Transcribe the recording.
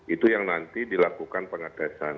itu yang nanti dilakukan pengetesan